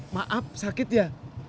maaf sakit ya